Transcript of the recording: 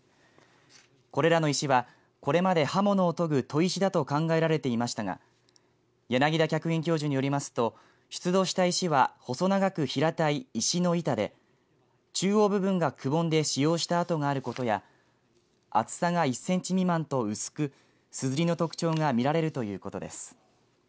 これらの石は、これまで刃物を研ぐ砥石だと考えられていましたが柳田客員教授によりますと出土した石は細長く平たい石の板で中央部分がくぼんで使用したあとがあることや厚さが１センチ未満と薄くすずりの特徴が見られるということです。